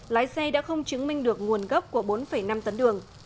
lái xe đã không chứng minh được nguồn gốc của bốn năm tấn đường